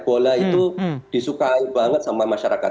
bola itu disukai banget sama masyarakat